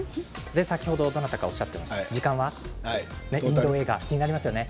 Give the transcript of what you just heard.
先ほどどなたかおっしゃっていました時間はインド映画、気になりますね。